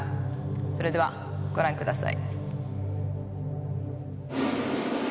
それではご覧ください。